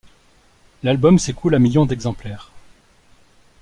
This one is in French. L'album s'écoule à millions d'exemplaires.